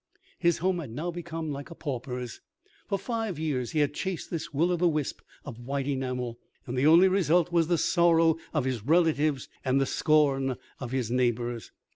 His home had now become like a pauper's. For five years he had chased this will o' the wisp of white enamel; and the only result was the sorrow of his relatives and the scorn of his neighbors.